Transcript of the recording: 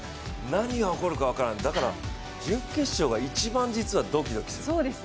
何が起こるか分からない、だから準決勝が一番実はドキドキする。